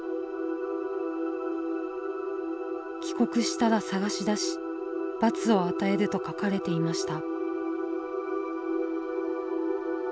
「帰国したらさがし出し罰を与える」と書かれていました。